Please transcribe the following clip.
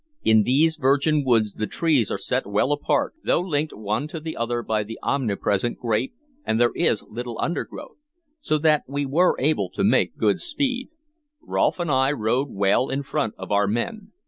In these virgin woods the trees are set well apart, though linked one to the other by the omnipresent grape, and there is little undergrowth, so that we were able to make good speed. Rolfe and I rode well in front of our men.